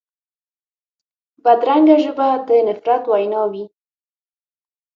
بدرنګه ژبه د نفرت وینا وي